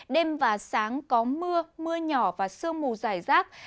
đêm và sáng có mưa mưa nhỏ và sương mù dài rác